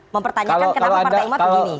mempertanyakan kenapa partai umat begini